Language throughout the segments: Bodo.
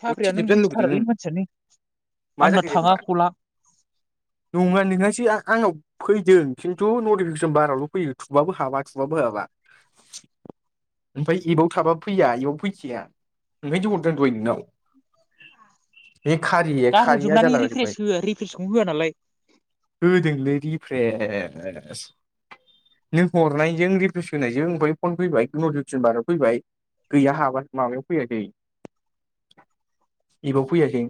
साख्रिया अरसि नों जोबजानो लुुगैदो बुजिथारालै नों मानसियानो मा आंना जाखो थाङा जेनेबा खला नङा नोंहासो आ आंनाव फैदों खिन्थु नटिफिकेसन बारायावल फैयो थुबाबो हाबा थुबाबो हाबा। ओमफ्राय एबाव थाबाबो फैया एयावबो फैखिया ओंखायनोथ हरदों दहय नोंनाव। बे खारिए खारिया गारहरजोबनानै रिफ्रेस जालाबायजोबबाय होआ रिफ्रेसखौनो होआ नालाय होदोंलै रिफ्रेस नों हरनायजों रिप्लेस होनायजों ओमफाय फन फैबाय नटिपिकेसन बाराव फैबाय गैया हाबा माबायाव फैयाखै इब फैयासै।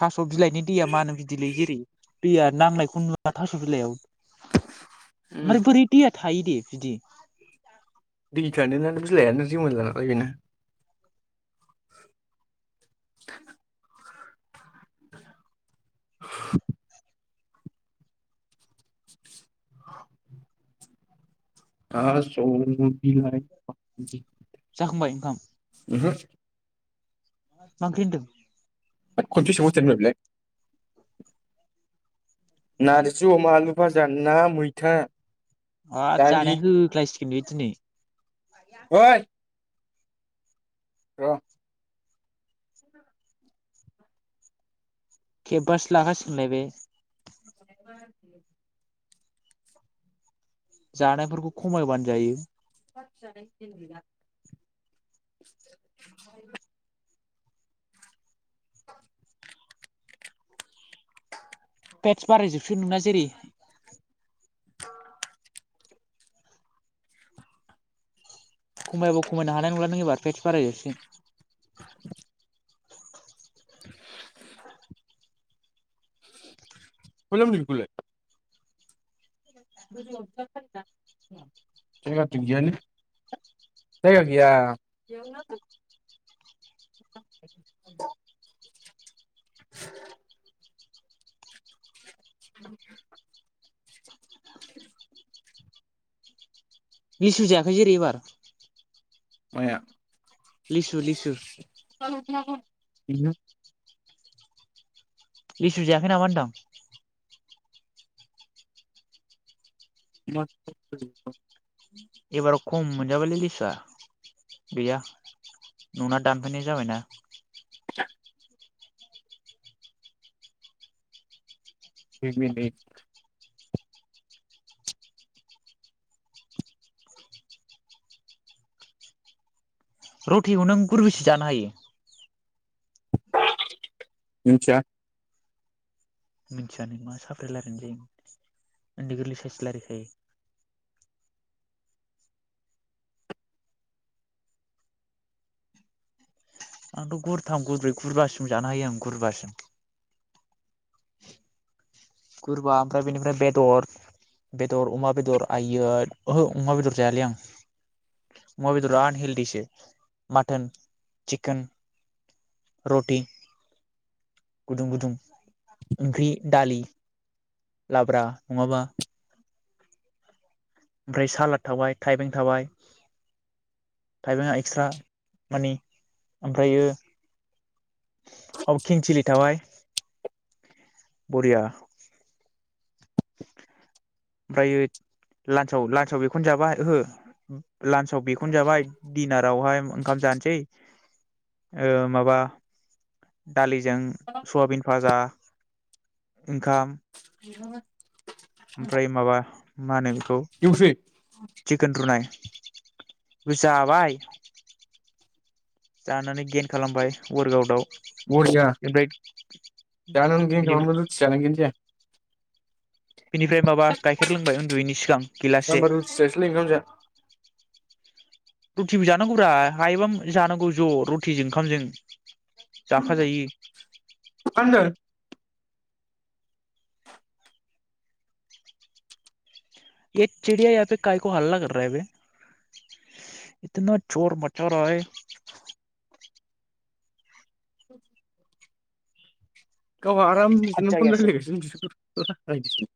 थास' बिलाइनि दैया मानो बिदिलै जेरै दैया नांनायखौ नुवा थास' बिलाइयाव? उम ओमफ्राय बोरै दैया थायो दे बिदि। दै थानो ना बिलाइयानो रिमला लांखायो बेना। [inaudible] [inaudible] [inaudible] थास' बिलाइ [unintelligible] जाखांबाय ओंखाम? ओहो? मा ओंख्रि होनदों? थोद खनबोसे सोंहरबाय थादों ब्रा बेलाय। नारजि अमा, आलु भाजा, ना मैथा, हाब दालि जानाय होखलायसि गोन बे दिनै। अइ र' खेबासो लाखासिगोन लाय बे? [inaudible] जानायफोरखौ खमायबानो जायो। [unintelligible] पेटस बारायजोबसै नोंना जेरि। खमायाबा खमायनो हानाय नंला नों एबार पेटस बारायजोबसिगोन। [inaudible] [unintelligible] जोंनि गामिथिं गैयानो जायगा गैया। [inaudible] [inaudible] [inaudible] लिसु जायाखै जेरि एबार? माया? लिसु लिसु। बिदिनो लिसु जाखै नामा होनदां? मा [unintelligible] एबार खम मोनजाबायलै लिसुआ गैया। न' ना दानफैनाय जाबायना। [unintelligible] रुटिखौ नों गुरबेसे जानो हायो? मोनथिया। मिथियानो मा साप्रि रायलायनाय जायो उन्दै गोरलै साइस रायलाय खायो। आंथ' गुरथाम गुरब्रै गुरबासिम जानो हायो आं गुरबासिम गुरबा ओमफ्राय बेनिफ्राय बेदर बेदर अमा बेदर आइ ओहो अमा बेदर जायालै आं अमा बेदरा आनहेलदिसो मटोन चिकेन रटि गुदुं गुदुं ओंख्रि दालि लाब्रा नङाबा ओमफ्राय सालाद थाबाय थाइबें थाबाय थाइबेंआ एक्सट्रा मानि ओमफ्रायो खिंसिलि थाबाय बरिया ओमफ्रायायो लान्सआव लान्साव बेखौनो जाबा ओहो लान्साव बेखनो जाबाय दिडिनारावहाय ओंखाम जानोसै ओ माबा दालिजों सुआबिन भाजा ओंखाम। [inaudible] ओमफ्राय माबा मानों खौ एवसै सिखोन रुनाय बे जाबाय जानानै गेन खालामबाय वर्कआउटआव बरिया जाना बिदि खालामबा रथि जानांगोन जों बिनिफ्राय माबा गाइखेर लोंबाय उन्दुयैनि सिगां दा गिलाससे होमबा रुथि जासैलाय ओंखाम जा रुटिबो जानांगौब्रा हायोबाम जानांगौ ज रुटिजों ओंखामजों जाफा जायो। मा होनदों [inaudible] [unintelligible] [inaudible] गावहा आराम बिदिनो मजा फन ऐसे रायलायसिनो बिगुर [unintelligible]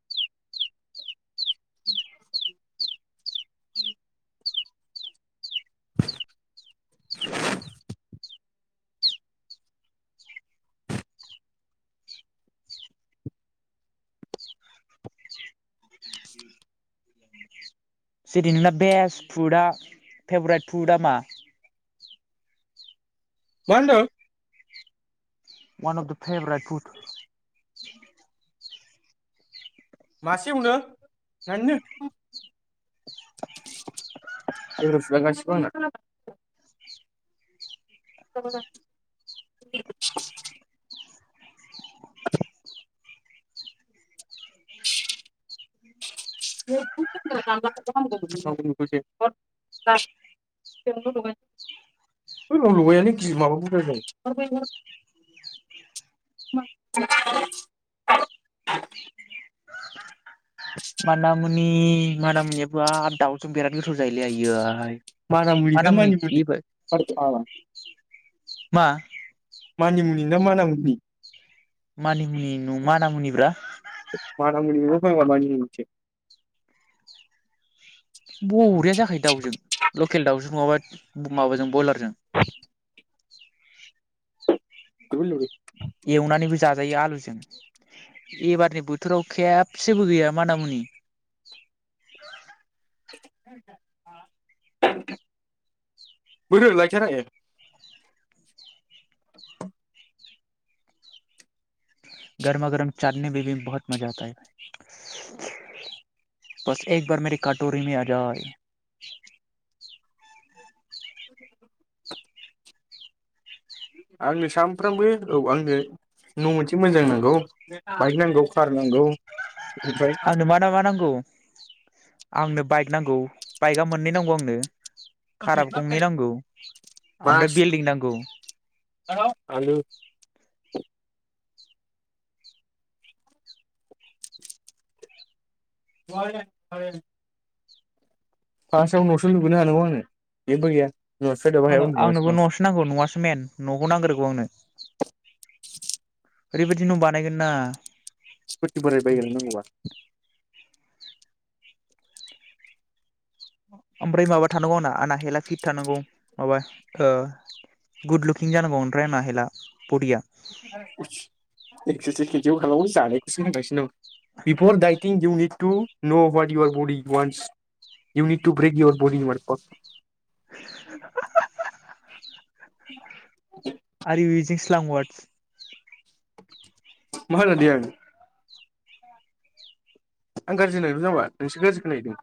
जेरै नोंना बेस्ट फुडआ फेभरेट फुडा मा? मा होनदों? One of the favourite food [unintelligible] [unintelligible] [unintelligible] मानामुनि मानामुनियाबो बाब दाउजों बिराद गोथाव जायोलै आयै मानामुनि ना मानिमुनि मानिमुनि फाग्ला ना मा मानामुनि मानिमुनि नङा मानामुनिब्रा मानामुनि नङा पाग्ला मानिमुनि सो [unintelligible] या जाखायो दाउजों लकेल दाउजों नङाबा माबाजों बयलारजों [unintelligible] एवनानैबो जाजायो आलुजों एबारनि बोथोराव खेबसेबो गैया मानामुनि बोरो लायथारा ए गरमा गरम चाटने मे बि बहत मजा आता हे बाय बास एक बार मेरे कटरि मे आजाय [inaudible] आंनो सानफ्रामबो औ आंनो न मोनसे मोजां नांगौ बाइक नांगौ कार नांगौ। ओमफ्राय आंनो मा ना मा नांगौ आंनो बाइक नांगौ बाइकआ मोननै नांगौ आंनो खाराबो गंनै नांगौ ओमफ्राय मास बिल्डदिं नांगौ। [unintelligible] [inaudible] फार्स्टआव न'सो लुबैनो हानांगौ आंनो जेबो गैया बिमा बिफाया दाबो हायाव आंनो आंनोबो उन्दुलांगासिनो दं न'आवसो नांगौ न'आसो मेन न'खौ नांग्रोगौ आंनो ओरैबायदि न' बानायगोन ना। स्कुटि बोराय बायग्रोगोन नांगौबा ओमफ्राय माबा थानांगौ आंना आना हेला फिट थानांगौ माबा आ गुड लुकिं जानांगौ ओमफ्राय आना हेला बरिया एस खेजयाव खालामो जानायखौसो होनगासिनो दं बिफर डाइटिं इउनिट तु न इ बड वान बेक इ बड [inaudible] [inaudible] [unintelligible] आर इउ इउजिं स्लां वार्डस मा होननो दे आं आं गाज्रि होननायबो जामबा नोंसो गाज्रि खोना हैदों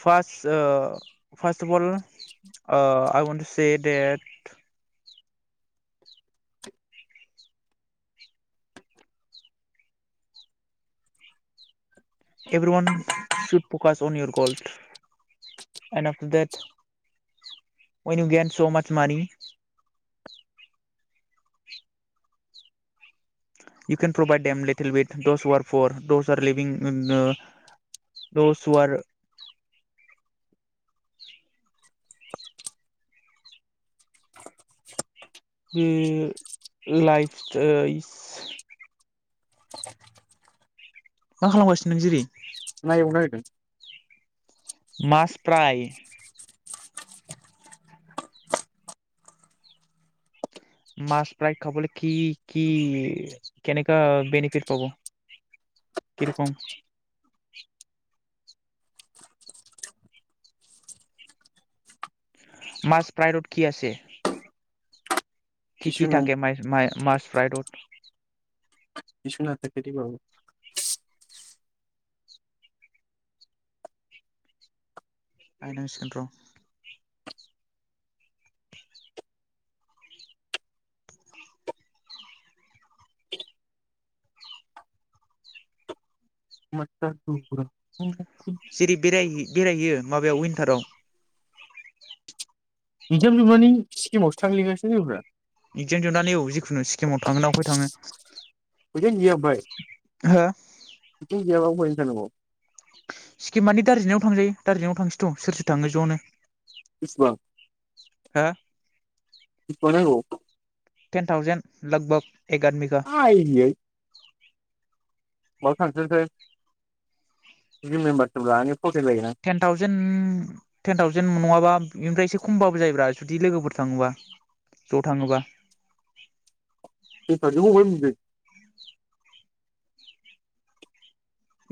first uh first of all I want to say that every one should प्रकास अन year gold and uh the that wine you gain so much मानि [inaudible] U can provide them little with this war for this living द दस वार बि लाइफ सट [inaudible] मा खालामगासिनो नों जेरि ना एवनो नागिरदों मास प्राय मास प्राय खाबले कि कि केनेका बेनिफिट पाब के रकम मास प्राइरड कि आसे कि कि किसु नायि थाके माइ माइ मास फ्राइरद किसु नाथाके रे बाबु आयनांसिगोन र [inaudible] जेरै बेराय बेरायहैयो माबायाव विन्टाराव इक्जाम जोबनानै सिकिमावसो थांलगासिनो लोगोफ्रा इगजाम जुनानै औ जिखुनु सिक्किमाव थाङोना उफाय थाङो फैसायानो गैया उमफाय हा गयाबा बोरै जानांगो सिक्किमानानि दार्जिलिंआव थांजायो दार्जिलिं आव थांसै थ सोर थाङो ज'नो बिसिबां हो बिसिबां नांगौ टेन थावजेन लगभग एक आदमिका बाव थांस्लायस्लाय [unintelligible] टेन थावजेन टेन थावजेन नङाबा इनिफ्राय इसे खमबाबो जायोब्रा जुदि लोगोफोर थाङोबा ज' थाङोबा [unintelligible]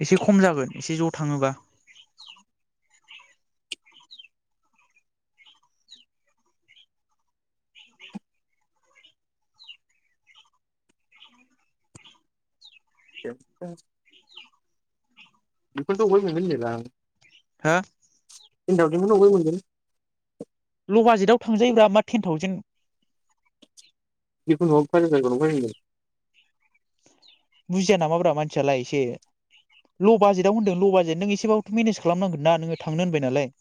एसे खम जागोन एसे ज' थाङोबा [unintelligible] बेखौनोथ' अबेहाय मोनगोन [unintelligible] हा? टेन थावजेनखौ अबेहाय मोनगोन ल' बाजेटाव थांजायोब्रा मा टेन थावजेन जिखुनु हग [unintelligible] बुजिया नामाब्रा मानसियालाय एसे ल' बाजेटाव होनदों ल' बाजेट नों एसेबाबोथ' मेनेज खालामनांगोन ना नोङो थांनो होनबाय नालाय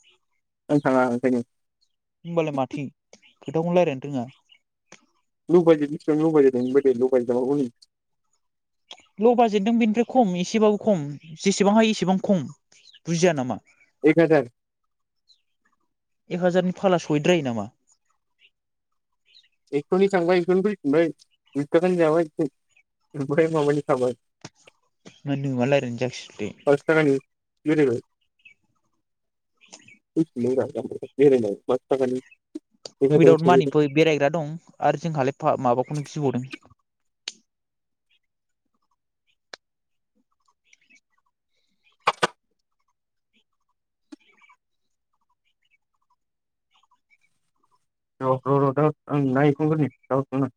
आं थाङा ओंखायनो होमबालाय माथो खोथाखौनो लायरायनो रोङा [unintelligible] [unintelligible] ल' बाजेटजों बेनिफ्राय खम एसेबाबो खम जेसेबां हायो एसेबां खम बुजिया नामा एक हाजार फाग्ला सहैद्रायो नामा एकस'नि थांबाय एकस'नि फैफिनबाय दुइ थाखानि जाबाय [unintelligible] मा नोमा लायरायनाय जाखोसै बेलाय पास [unintelligible] बेखायनो उइदाउट सोंहैदों मानिबो बेरायग्रा दं। आरो जोंहालाय फा माबाखौनो गिबावदों। र' र' र' दा आं ना एवफ्रामग्रोनि दा हरगोन आं